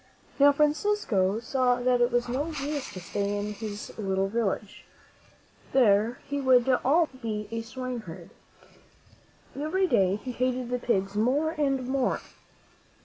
Now, Francisco saw that it was no use to stay in his little village; there he would always be a swineherd. Every day he hated the pigs more and more.